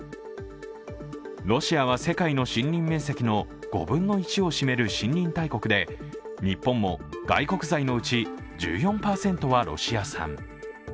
ロシアは、世界の森林面積の５分の１を占める森林大国で日本も外国材のうち１４％はロシア産。